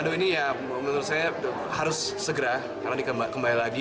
dan dipasarkan dengan harga yang cukup murah